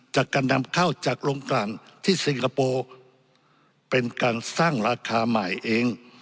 จากการนำเข้าจากโรงกลั่นที่สิงคโปร์เป็นการสร้างราคาใหม่เอง